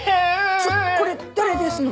ちょっこれ誰ですのん？